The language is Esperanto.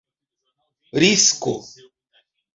risko